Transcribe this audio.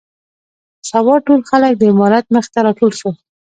سبا ټول خلک د امارت مخې ته راټول شول.